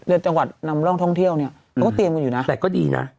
จังหวัดนำร่องท่องเที่ยวเนี่ยเขาก็เตรียมกันอยู่นะแต่ก็ดีนะ